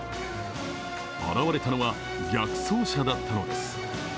現れたのは逆走車だったのです。